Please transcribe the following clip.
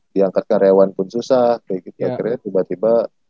diangkat karyawan pun susah kayak gitu akhirnya tiba tiba